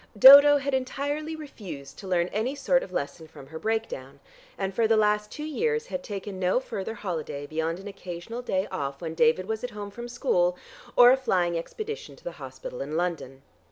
Dodo had entirely refused to learn any sort of lesson from her break down, and for the last two years had taken no further holiday beyond an occasional day off when David was at home from school, or a flying expedition to the hospital in London.